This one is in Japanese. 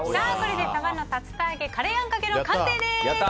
サバの竜田揚げカレーあんかけの完成です！